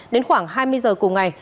đến khoảng hai mươi h cùng ngày